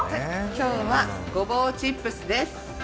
今日はごぼうチップスです。